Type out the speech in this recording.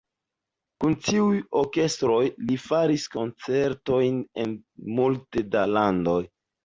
Kun tiuj orkestroj li faris koncertojn en multe da landoj.